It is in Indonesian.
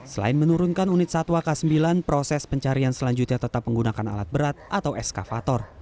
selain menurunkan unit satwa k sembilan proses pencarian selanjutnya tetap menggunakan alat berat atau eskavator